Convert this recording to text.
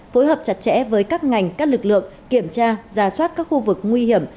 phối hợp chặt chẽ với các ngành các lực lượng kiểm tra ra soát các khu vực nguy hiểm